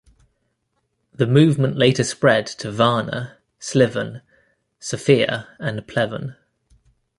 The movement later spread to Varna, Sliven, Sofia, and Pleven.